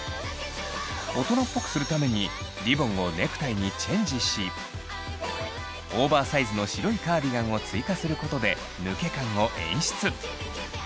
大人っぽくするためにリボンをネクタイにチェンジしオーバーサイズの白いカーディガンを追加することで抜け感を演出。